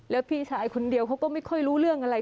แล้วพี่ชายคนเดียวเขาก็ไม่ค่อยรู้เรื่องอะไร